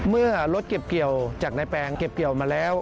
เมื่อรถเก็บเกี่ยวจากนายแปลงเก็บเกี่ยวมาแล้ว